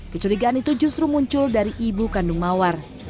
kecurigaan itu justru muncul dari ibu kandung mawar